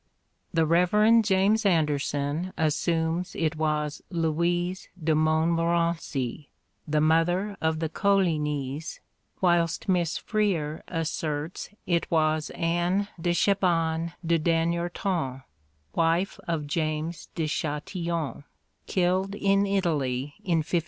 The Rev. James Anderson assumes it was Louise de Montmorency, the mother of the Colignys, whilst Miss Freer asserts it was Anne de Chabannes de Damniartin, wife of James de Chastillon, killed in Italy in 1572.